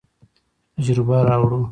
تجربه راوړو.